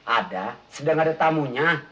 ada sedang ada tamunya